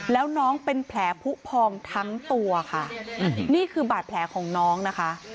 แล้วน้องเป็นแผลผู้พองทั้งตัวค่ะนี่คือบาดแผลของน้องนะคะ